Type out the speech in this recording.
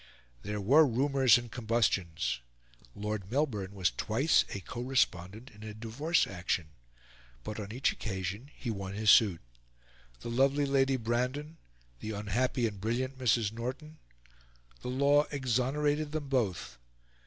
There were rumours and combustions. Lord Melbourne was twice a co respondent in a divorce action; but on each occasion he won his suit. The lovely Lady Brandon, the unhappy and brilliant Mrs. Norton... the law exonerated them both.